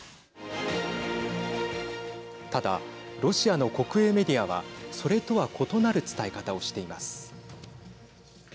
ただ、ロシアの国営メディアはそれとは異なる伝え方をしています。